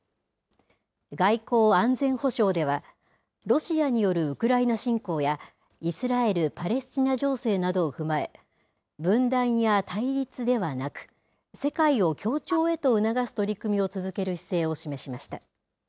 外交・安全保障では、ロシアによるウクライナ侵攻や、イスラエル・パレスチナ情勢などを踏まえ、分断や対立ではなく、世界を協調へと促す取り組みを続ける姿勢を示しました。